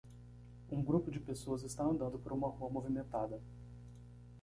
Um grupo de pessoas está andando por uma rua movimentada.